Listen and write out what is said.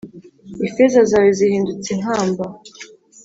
Ifeza zawe zihindutse inkamba